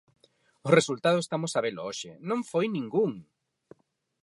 O resultado estamos a velo hoxe: ¡non foi ningún!